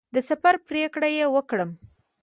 د سفر پرېکړه وکړم.